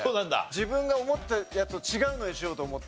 自分が思ったやつと違うのにしようと思って。